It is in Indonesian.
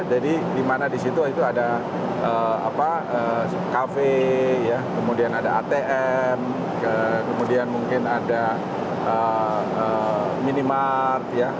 jadi di mana di situ itu ada cafe kemudian ada atm kemudian mungkin ada minimart